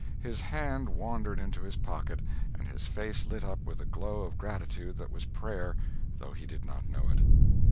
His hand wandered into his pocket and his face lit up with a glow of gratitude that was prayer, though he did not know it.